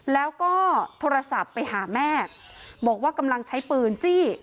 แล้วก็โทรศัพท์ไปหาแม่บอกว่ากำลังใช้ปืนจี้